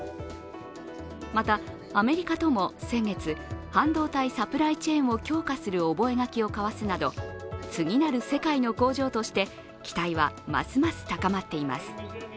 また、アメリカとも先月、半導体サプライチェーンを強化する覚書を交わすなど次なる世界の工場として期待はますます高まっています。